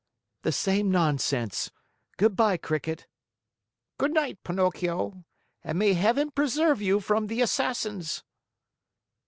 "The same nonsense. Good by, Cricket." "Good night, Pinocchio, and may Heaven preserve you from the Assassins."